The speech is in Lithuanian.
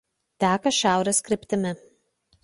Teka šiaurės kryptimi.